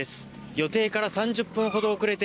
予定から３０分ほど遅れて